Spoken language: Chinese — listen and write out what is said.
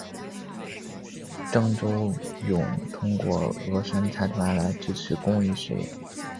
郑周永通过峨山财团来支持公益事业。